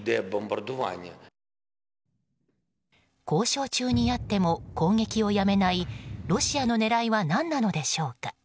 交渉中にあっても攻撃をやめないロシアの狙いは何なのでしょうか。